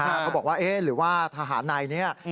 เขาบอกว่าให้หรือว่าทหารในเนี่ย